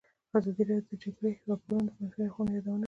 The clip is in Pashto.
ازادي راډیو د د جګړې راپورونه د منفي اړخونو یادونه کړې.